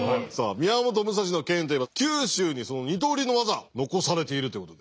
宮本武蔵の剣といえば九州にその二刀流の技残されているということで。